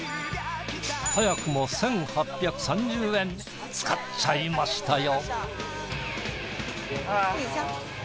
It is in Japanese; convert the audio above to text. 早くも１，８３０円使っちゃいましたよ。